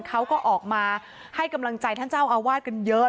เขาก็ออกมาให้กำลังใจท่านเจ้าอาวาสกันเยอะ